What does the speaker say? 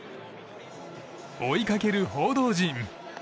追いかける報道陣。